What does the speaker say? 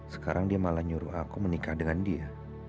sekarang dia malah nyuruh aku menikah dengan dia